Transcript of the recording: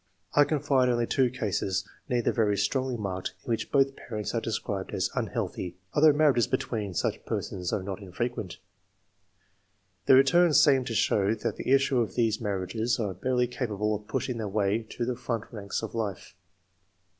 I can find only two cases, neither very strongly marked, in which both parents are described as unhealthy, although marriages between such persons are not infrequent. The returns seem to show that the issue, of these marriages are barely capable of pushing their way to the front ranks of life.